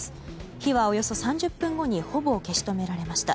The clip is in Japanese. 火はおよそ３０分後にほぼ消し止められました。